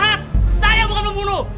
mereka yang bukan pembunuh